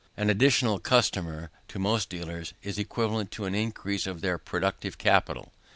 An additional customer, to most dealers, is equivalent to an increase of their productive capital.